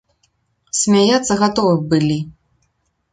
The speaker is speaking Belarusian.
Смяяцца гатовы б былі.